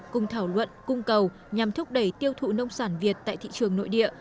cùng thảo luận cung cầu nhằm thúc đẩy tiêu thụ nông sản việt tại thị trường nội địa